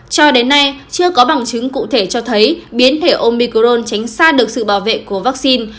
cho đến nay chưa có bằng chứng cụ thể cho thấy biến thể omicron tránh xa được sự bảo vệ của vaccine